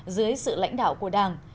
dưới sự lãnh đạo của đảng